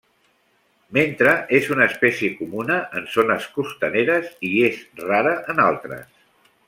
Mentre és una espècie comuna en zones costaneres hi és rara en altres.